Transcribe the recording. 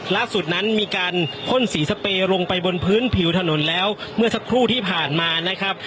ล่าสุดนั้นมีการพ่นสีสเปย์ลงไปบนพื้นผิวถนนแล้วเมื่อสักครู่ที่ผ่านมานะครับ